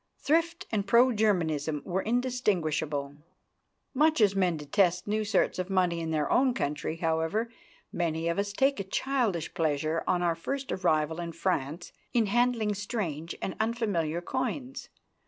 Thrift and pro Germanism were indistinguishable. Much as men detest new sorts of money in their own country, however, many of us take a childish pleasure on our first arrival in France in handling strange and unfamiliar coins.